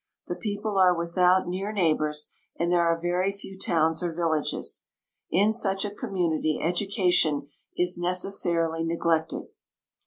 The people are with out near neighbors, and there are very few towns or villages. In such a community education is necessarily neglected.